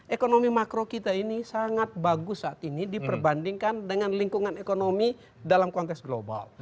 ekonomi makro kita ini sangat bagus saat ini diperbandingkan dengan lingkungan ekonomi dalam konteks global